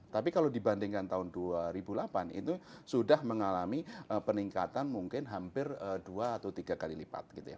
tapi kalau dibandingkan tahun dua ribu delapan itu sudah mengalami peningkatan mungkin hampir dua atau tiga kali lipat gitu ya